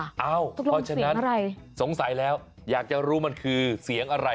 เพราะฉะนั้นสงสัยแล้วอยากจะรู้มันคือเสียงอะไร